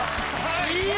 いい！